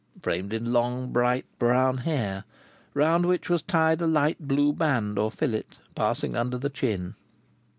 Framed in long bright brown hair, round which was tied a light blue band or fillet, passing under the chin.